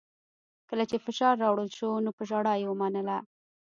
کله چې فشار راوړل شو نو په ژړا یې ومنله